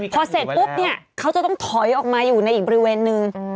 พอเสร็จปุ๊บเนี่ยเขาจะต้องถอยออกมาอยู่ในอีกบริเวณนึง